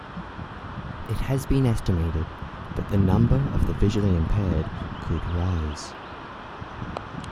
It has been estimated that the number of the visually impaired could rise.